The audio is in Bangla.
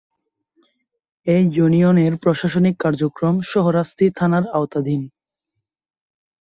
এ ইউনিয়নের প্রশাসনিক কার্যক্রম শাহরাস্তি থানার আওতাধীন।